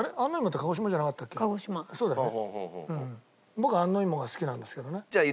僕は安納いもが好きなんですけどね。